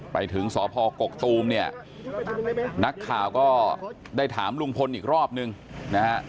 ไปถึงสพกกตูมเนี่ยนักข่าวก็ได้ถามลุงพลอีกรอบนึงนะฮะ